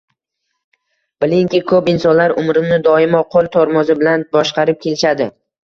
Bilginki, ko‘p insonlar umrini doimo qo‘l tormozi bilan boshqarib kelishadi